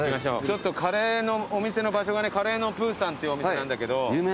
ちょっとカレーのお店の場所がねカレーのプーさんっていうお店なんだけど。